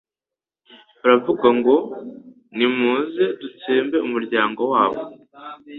baravuga ngo «Nimuze dutsembe umuryango wabo